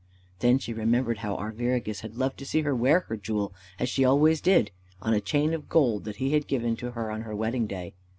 Then she remembered how Arviragus had loved to see her wear her jewel, as she always did, on a chain of gold that he had given to her on her wedding day.